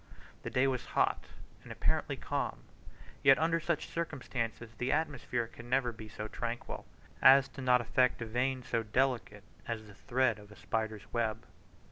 The day was hot and apparently calm; yet under such circumstances, the atmosphere can never be so tranquil as not to affect a vane so delicate as the thread of a spider's web.